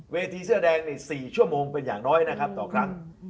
เสื้อแดงใน๔ชั่วโมงเป็นอย่างน้อยนะครับต่อครั้ง